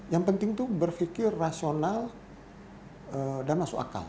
yang penting tuh berfikir rasional dan masuk akal